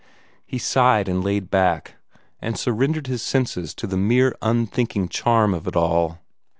He sighed and lay back, and surrendered his senses to the mere unthinking charm of it all.